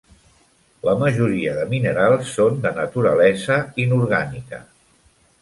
La majoria de minerals són de naturalesa inorgànica.